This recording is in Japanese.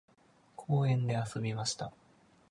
公園で遊びました。